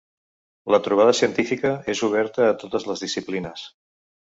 La trobada científica és oberta a totes les disciplines.